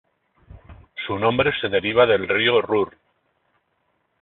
Su nombre se deriva del río Ruhr.